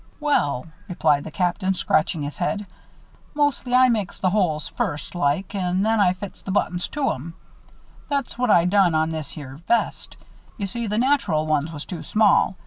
"Well," replied the Captain, scratching his head, "mostly I makes the holes first like and then I fits the buttons to 'em. That's what I done on this here vest. You see, the natural ones was too small.